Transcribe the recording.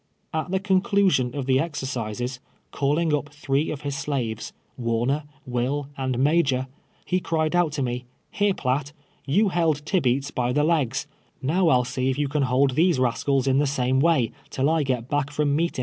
At the conclusion of the exercises, calling up three of his slaves, AVarner, Will and Major, he cried out t*) me —" Here, Piatt, you held Tibeats by the legs ; now PU see if you can hold these rascals in the same way, till I get back fn^m meet in'."